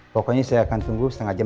pokoknya saya akan tunggu setengah jam